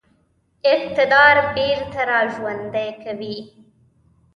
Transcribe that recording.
اقتدار بیرته را ژوندی کوي.